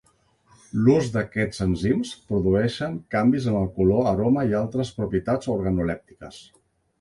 L'ús d'aquests enzims produeixen canvis en el color, aroma i altres propietats organolèptiques.